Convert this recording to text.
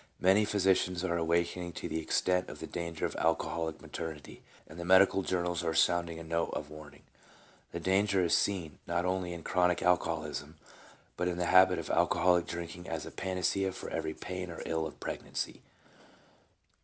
Many physicians are awakening to the extent of the danger of an alcoholic maternity, and the medical journals are sounding a note of warning. The danger is seen, not only in chronic alcoholism, but in the habit of alcoholic drinking as a panacea for every pain or ill of pregnancy.